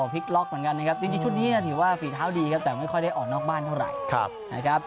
พลิกล็อกเหมือนกันนะครับจริงชุดนี้ถือว่าฝีเท้าดีครับแต่ไม่ค่อยได้ออกนอกบ้านเท่าไหร่นะครับ